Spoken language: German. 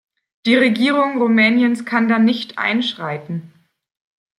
Die Regierung Rumäniens kann da nicht einschreiten.